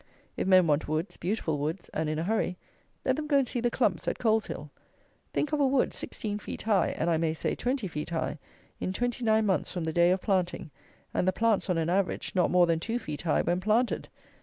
If men want woods, beautiful woods, and in a hurry, let them go and see the clumps at Coleshill. Think of a wood 16 feet high, and I may say 20 feet high, in twenty nine months from the day of planting; and the plants, on an average, not more than two feet high when planted!